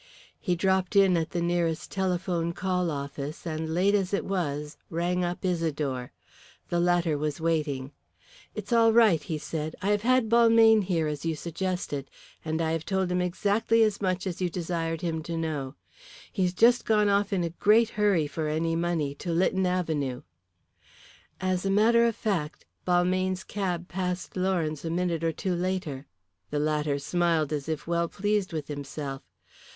He dropped in at the nearest telephone call office and late as it was rang up Isidore. The latter was waiting. "It's all right," he said. "I have had Balmayne here as you suggested. And I have told him exactly as much as you desired him to know. He's just gone off in a great hurry, for any money to Lytton Avenue." As a matter of fact, Balmayne's cab passed Lawrence a minute or two later. The latter smiled as if well pleased with himself.